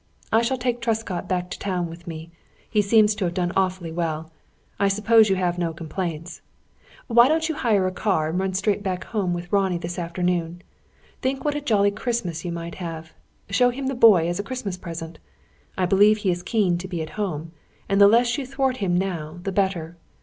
I shall take Truscott back to town with me. He seems to have done awfully well. I suppose you have no complaints. Why don't you hire a car and run straight back home with Ronnie this afternoon. Think what a jolly Christmas you might have. Show him the boy as a Christmas present! I believe he is keen to be at home; and the less you thwart him now, the better.